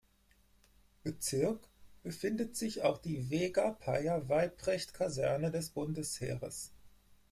Bezirk befindet sich auch die Vega-Payer-Weyprecht-Kaserne des Bundesheeres.